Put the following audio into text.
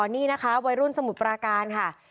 นี่นะคะวัยรุ่นสมุทรปราการค่ะ